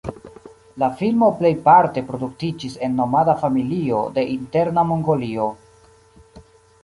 La filmo plejparte produktiĝis en nomada familio de Interna Mongolio.